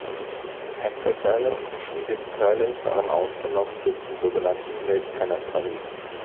Einzelteile und geschmiedete Teile waren ausgenommen durch den sogenannten "Milchkannen-Tarif".